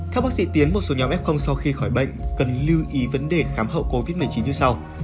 theo bác sĩ tiến một số nhóm f sau khi khỏi bệnh cần lưu ý vấn đề khám hậu covid một mươi chín như sau